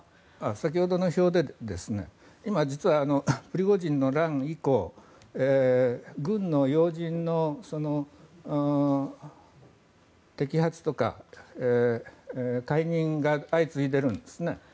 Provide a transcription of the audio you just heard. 先ほどの表で今、実はプリゴジンの乱以降軍の要人の摘発とか解任が相次いでいるんですね。